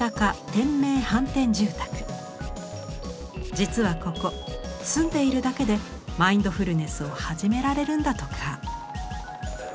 実はここ住んでいるだけでマインドフルネスをはじめられるんだとか。